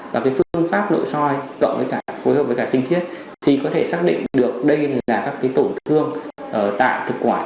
và phương pháp nội so cộng với cả sinh chiết thì có thể xác định được đây là các tổn thương tại thực quản